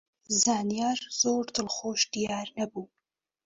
زانیار زۆر دڵخۆش دیار نەبوو.